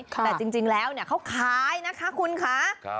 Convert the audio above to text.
แต่จริงแล้วเขาขายนะคะคุณคะ